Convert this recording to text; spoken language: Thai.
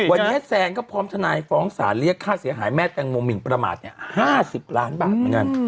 วันนี้แซนก็พร้อมทนายฟ้องสารเรียกค่าเสียหายแม่แตงโมหมินประมาท๕๐ล้านบาทเหมือนกัน